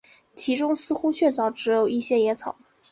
其中似乎确凿只有一些野草